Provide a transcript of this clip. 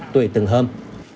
tùy từng hôm